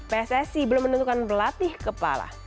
pssi belum menentukan pelatih kepala